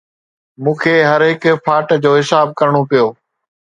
مون کي هر هڪ ڦاٽ جو حساب ڪرڻو پيو